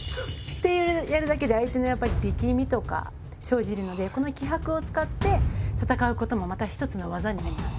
ってやるだけで相手のやっぱり力みとか生じるのでこの気迫を使って戦うこともまた一つの技になります。